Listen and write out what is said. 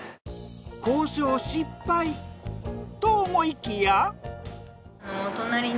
交渉失敗と思いきや。